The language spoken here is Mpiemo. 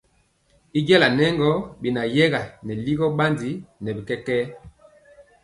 Y jala nɛ gɔ beyɛga nɛ ligɔ bandi nɛ bi kɛkɛɛ.